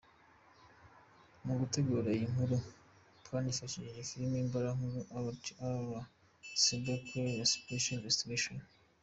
Mu gutegura iyi nkuru twanifashishije filime mbarankuru’ Alerte à la Cyberguerre ya Spécial Investigation.